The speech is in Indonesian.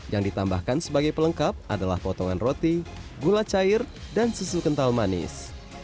yang ditambahkan sebagai pelengkap adalah potongan roti gula cair dan susu kental manis